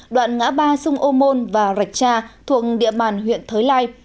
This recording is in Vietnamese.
đoạn ngã ba sông ô môn và rạch cha thuộc địa bàn huyện thới lai